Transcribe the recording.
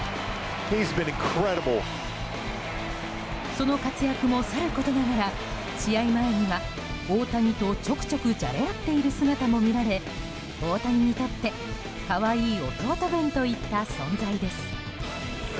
その活躍もさることながら試合前には、大谷とちょくちょくじゃれ合っている姿も見られ大谷にとって可愛い弟分といった存在です。